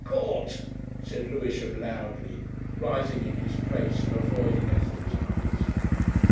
"Caught!" said Lewisham loudly, rising in his place and avoiding Ethel's eyes.